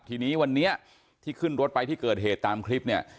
ทีนี้วันนี้ที่ขึ้นรถไปที่เกิดเหตุตามคลิปเนี่ย